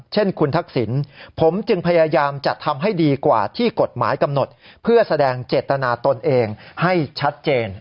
เช่นคุณทักษิณผมจึงพยายามจะทำให้ดีกว่าที่กฎหมายกำหนดเพื่อแสดงเจตนาตนเองให้ชัดเจน